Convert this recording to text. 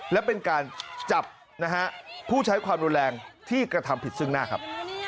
และเป็นการจับนะฮะผู้ใช้ความรุนแรงที่กระทำผิดซึ่งหน้าครับ